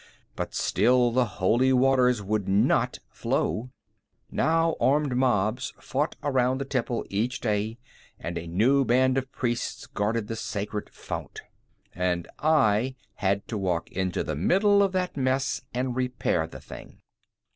But still the holy waters would not flow. Now armed mobs fought around the temple each day and a new band of priests guarded the sacred fount. And I had to walk into the middle of that mess and repair the thing.